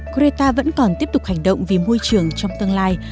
greta vẫn còn tiếp tục hành động vì môi trường trong tương lai